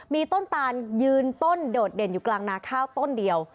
มีต้นตานยืนต้นโดดเด่นอยู่กลางนาข้าวต้นเดียว